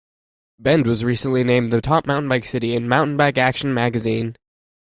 Bend was recently named the top mountain bike city in Mountain Bike Action magazine.